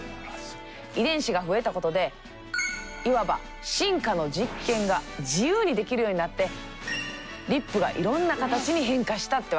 遺伝子が増えたことでいわば進化の実験が自由にできるようになってリップがいろんな形に変化したってわけ。